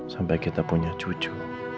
sampai kita punya cucu